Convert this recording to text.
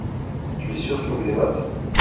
tu es sûr que vous aimâtes.